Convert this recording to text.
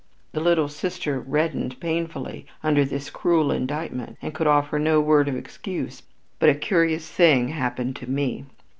The little sister reddened painfully under this cruel indictment and could offer no word of excuse, but a curious thing happened to me.